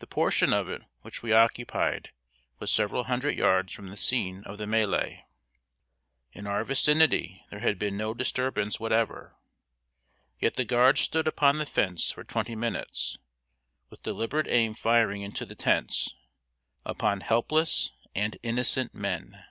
The portion of it which we occupied was several hundred yards from the scene of the mêlée. In our vicinity there had been no disturbance whatever; yet the guards stood upon the fence for twenty minutes, with deliberate aim firing into the tents, upon helpless and innocent men.